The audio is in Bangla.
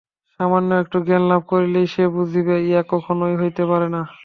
একটু সামান্য জ্ঞানলাভ করিলেই সে বুঝিবে, ইহা কখনই হইতে পারে না।